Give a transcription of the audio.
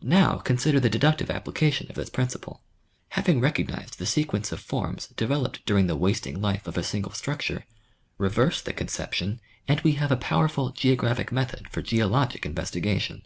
Now consider the deductive application of this principle. Having recognized the sequence of forms developed during the Oeographic Methods in Geologic Investigation. lY wasting life of a single structure, reverse the conception and we have a powerful geographic method for geologic investiga tion.